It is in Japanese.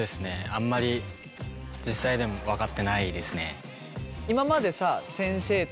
あんまり実際でも分かってないですね。